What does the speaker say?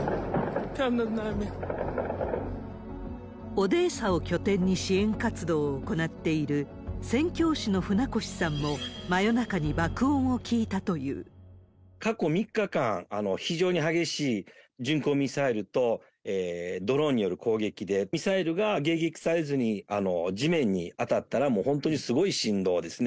オデーサを拠点に支援活動を行っている宣教師の船越さんも、真夜過去３日間、非常に激しい巡航ミサイルとドローンによる攻撃で、ミサイルが迎撃されずに地面に当たったら、もう本当にすごい振動ですね。